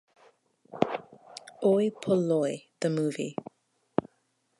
"Oi Polloi: The Movie"